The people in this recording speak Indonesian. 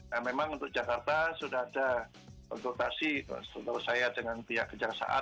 nah memang untuk jakarta sudah ada konsultasi setahu saya dengan pihak kejaksaan